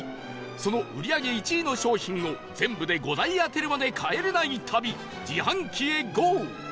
その売り上げ１位の商品を全部で５台当てるまで帰れない旅自販機へゴー！